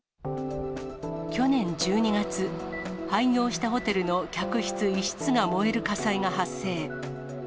去年１２月、廃業したホテルの客室１室が燃える火災が発生。